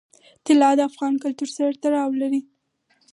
طلا د افغان کلتور سره تړاو لري.